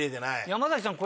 山崎さん